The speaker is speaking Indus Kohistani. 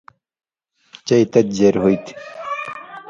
چئ تتیۡ ژر ہُوئ تھی